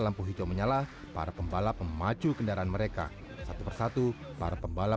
lampu hijau menyala para pembalap memacu kendaraan mereka satu persatu para pembalap